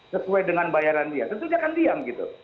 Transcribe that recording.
sesuai dengan bayaran dia tentu dia akan diam gitu